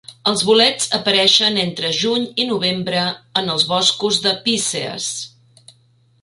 Els bolets apareixen entre juny i novembre en els boscos de pícees.